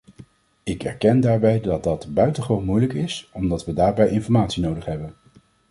Ik erken daarbij dat dat buitengewoon moeilijk is, omdat we daarbij informatie nodig hebben.